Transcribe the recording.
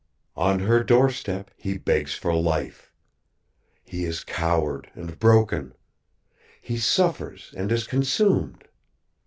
"On her doorstep, he begs for life. He is coward and broken. He suffers and is consumed.